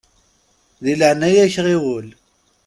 Di leɛya-k ɣiwel!